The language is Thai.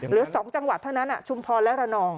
เหลือ๒จังหวัดเท่านั้นชุมพรและระนอง